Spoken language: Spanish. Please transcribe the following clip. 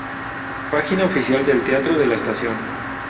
Página oficial del Teatro de la Estación